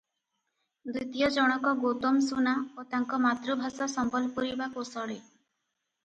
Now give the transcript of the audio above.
ଦ୍ୱିତୀୟ ଜଣକ ଗୌତମ ସୁନା ଓ ତାଙ୍କ ମାତୃଭାଷା ସମ୍ବଲପୁରୀ ବା କୋସଳୀ ।